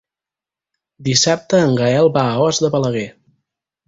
Dissabte en Gaël va a Os de Balaguer.